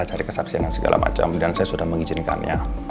cari kesaksian dan segala macam dan saya sudah mengizinkannya